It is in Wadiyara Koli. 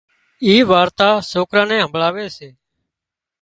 اي وارتا سوڪران نين همڀۯاوي سي